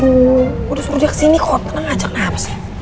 gue udah suruh dia kesini kok tenang aja kenapa sih